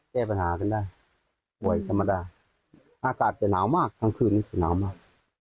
แก้ปัญหากันได้ป่วยธรรมดาอากาศจะหนาวมากทั้งคืนนี้จะหนาวมาก